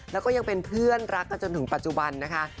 แล้วก็ยังเป็นเพื่อนรักกันจนถึงปัจจุบันนะคะ